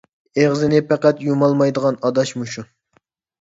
ئېغىزىنى پەقەت يۇمالمايدىغان ئاداش مۇشۇ.